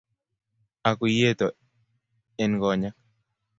Ak uu iyeto eny koonyek